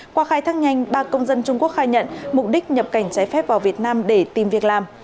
qua khai thác nhanh ba công dân trung quốc khai nhận mục đích nhập cảnh trái phép vào việt nam để tìm việc làm